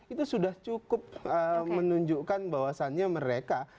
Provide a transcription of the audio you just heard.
itu sudah cukup menunjukkan bahwasannya mereka